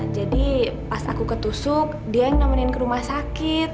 jadi pas aku ketusuk dia yang nemenin ke rumah sakit